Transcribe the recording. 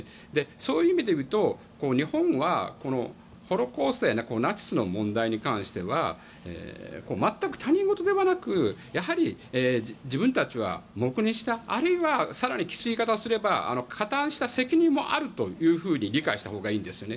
そういう意味でいうと日本は、ホロコーストやナチスの問題に関しては全く他人事ではなくやはり自分たちは黙認した、あるいは更にきつい言い方をすれば加担した責任もあると理解したほうがいいんですよね。